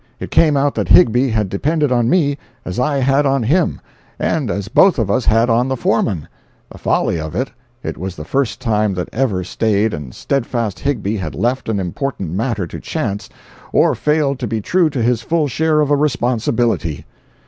It came out that Higbie had depended on me, as I had on him, and as both of us had on the foreman. The folly of it! It was the first time that ever staid and steadfast Higbie had left an important matter to chance or failed to be true to his full share of a responsibility.